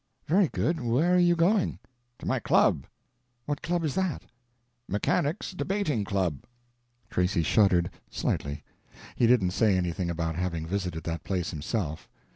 "Very good. Where are you going?" "To my club." "What club is that?" "Mechanics' Debating Club." p144.jpg (33K) Tracy shuddered, slightly. He didn't say anything about having visited that place himself.